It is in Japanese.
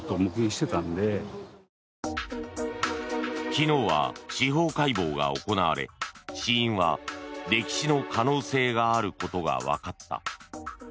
昨日は司法解剖が行われ死因は溺死の可能性があることがわかった。